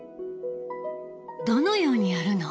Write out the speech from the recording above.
どのようにやるの？